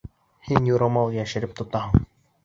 Һин юрамал йәшереп тотаһың!